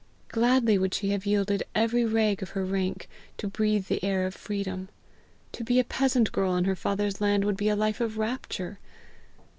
Gladly would she have yielded every rag of her rank, to breathe the air of freedom. To be a peasant girl on her father's land, would be a life of rapture!